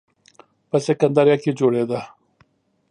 په سکندریه کې جوړېده.